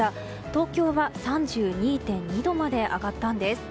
東京は３２．２度まで上がったんです。